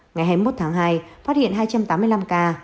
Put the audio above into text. ngày hai mươi một tháng hai phát hiện hai trăm tám mươi năm ca